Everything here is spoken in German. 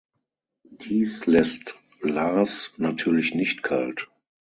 Dies lässt Lars natürlich nicht kalt.